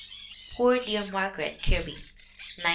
Poor Dear Margaret Kirby, 1913.